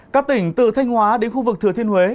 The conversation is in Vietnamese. các tỉnh từ thanh hóa đến khu vực thừa thiên huế